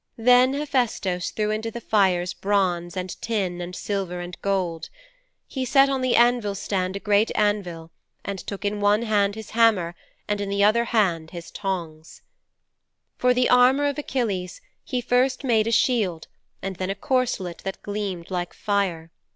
Then Hephaistos threw into the fires bronze and tin and silver and gold. He set on the anvil stand a great anvil, and took in one hand his hammer and in the other hand his tongs.' 'For the armour of Achilles he made first a shield and then a corselet that gleamed like fire.